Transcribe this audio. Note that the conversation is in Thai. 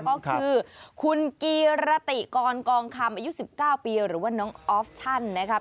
ก็คือคุณกีรติกรกองคำอายุ๑๙ปีหรือว่าน้องออฟชั่นนะคะ